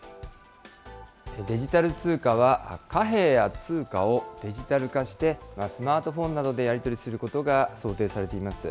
デジタル通貨は、貨幣や通貨をデジタル化して、スマートフォンなどでやり取りすることが想定されています。